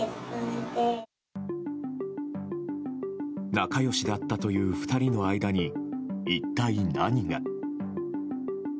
仲良しだったという２人の間に一体何が。